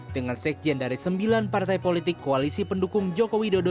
dengan sekjen dari sembilan partai politik koalisi pendukung jokowi dodo